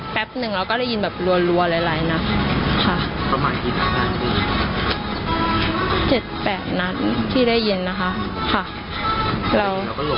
เมื่อยังเป็นเรายังลบมาได้แล้ว